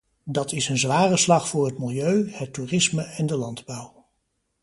Dat is een zware slag voor het milieu, het toerisme en de landbouw.